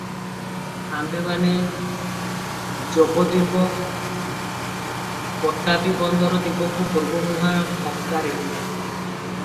ଆମ୍ଭେମାନେ ଯବଦ୍ୱୀପ-ବତାବୀ ବନ୍ଦର ଦିଗକୁ ପୂର୍ବମୁହାଁ ହକାରିଲୁଁ ।